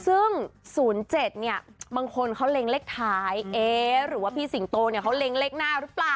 ซึ่ง๐๗เนี่ยบางคนเขาเล็งเลขท้ายหรือว่าพี่สิงโตเนี่ยเขาเล็งเลขหน้าหรือเปล่า